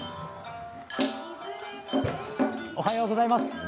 おはようございます。